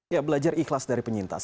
ya belajar ikhlas dari penyintas